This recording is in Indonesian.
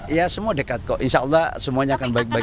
ya semua dekat kok insya allah semuanya akan baik baik